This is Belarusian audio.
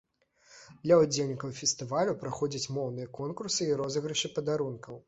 Для ўдзельнікаў фестывалю праходзяць моўныя конкурсы і розыгрышы падарункаў.